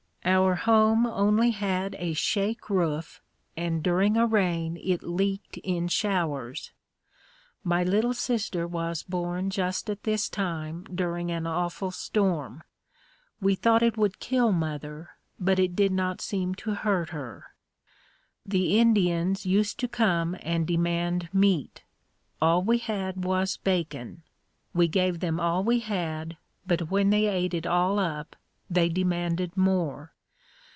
Our home only had a shake roof and during a rain it leaked in showers. My little sister was born just at this time during an awful storm. We thought it would kill mother, but it did not seem to hurt her. The Indians used to come and demand meat. All we had was bacon. We gave them all we had but when they ate it all up they demanded more.